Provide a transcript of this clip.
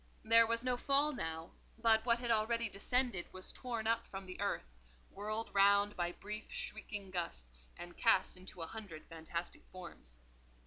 There was no fall now, but what had already descended was torn up from the earth, whirled round by brief shrieking gusts, and cast into a hundred fantastic forms.